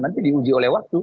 nanti diuji oleh waktu